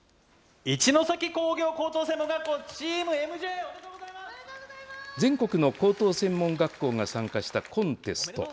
一関工業高等専門学校、全国の高等専門学校が参加したコンテスト。